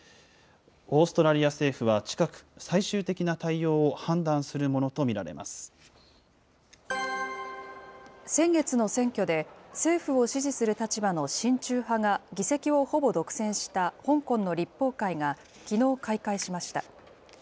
オーストラリア政府は近く、最終的な対応を判断するものと見られ先月の選挙で、政府を支持する立場の親中派が議席をほぼ独占した香港の立法会が、きのう開会しました。